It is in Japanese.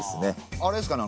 あれですかね？